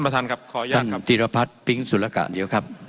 ท่านตีรพัทย์ปิ๊งสุรคาเนียว